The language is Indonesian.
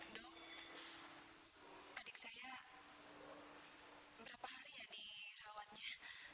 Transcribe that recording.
dok adik saya berapa hari ya dirawatnya